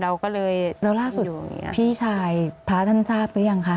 เราก็เลยอยู่อย่างนี้แล้วล่าสุดพี่ชายพระท่านทราบรู้ยังคะ